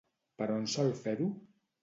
Per on sol fer-ho?